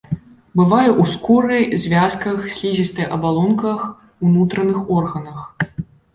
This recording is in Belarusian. Бывае ў скуры, звязках, слізістай абалонках, унутраных органах.